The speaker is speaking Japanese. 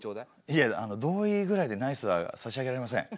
いや同意ぐらいでナイスは差し上げられません。